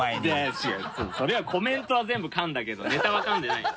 違うそれはコメントは全部かんだけどネタはかんでないよ。